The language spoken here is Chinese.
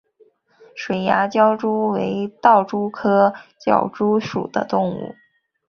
水涯狡蛛为盗蛛科狡蛛属的动物。